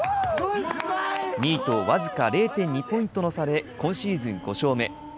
２位と僅か０．２ポイントの差で今シーズン５勝目。